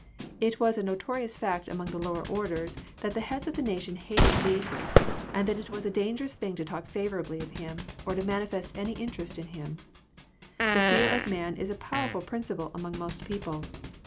It was a notorious fact among the lower orders that the heads of the nation hated Jesus, and that it was a dangerous thing to talk favourably of Him, or to manifest any interest in Him. The fear of man is a powerful principle among most people.